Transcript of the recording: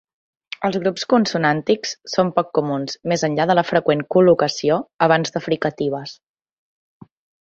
Els grups consonàntics són poc comuns, més enllà de la freqüent col·locació abans de fricatives.